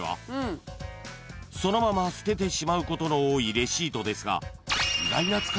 ［そのまま捨ててしまうことの多いレシートですが］